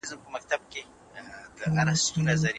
ډاکترانو تل د سالم خوراک په اړه ګټورې مشورې ورکړې دي.